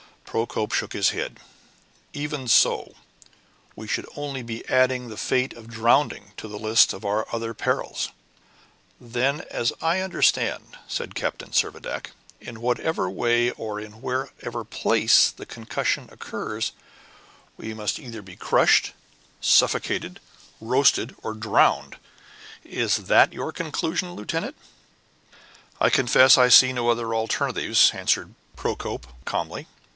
Procope shook his head. "Even so, we should only be adding the fate of drowning to the list of our other perils." "Then, as I understand," said Captain Servadac, "in whatever way or in whatever place the concussion occurs, we must be either crushed, suffocated, roasted, or drowned. Is that your conclusion, lieutenant?" "I confess I see no other alternative," answered Procope, calmly.